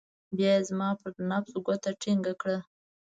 بيا يې زما پر نبض گوته ټينګه کړه.